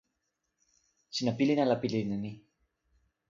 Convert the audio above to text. sina pilin ala pilin e ni?